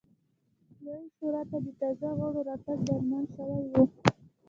لویې شورا ته د تازه غړو راتګ ډاډمن شوی و